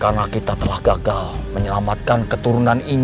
karena kita telah gagal menyelamatkan keturunan ini